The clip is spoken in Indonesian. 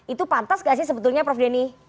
itu pantas gak sih sebetulnya prof denny